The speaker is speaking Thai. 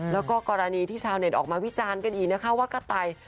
แล้วก็กรณีที่ชาวเน็ตออกมาวิจารณ์กันอีกนะคะว่ากระต่าย